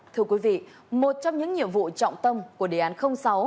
thưa quý vị một trong những nhiệm vụ trọng tâm của đề án sáu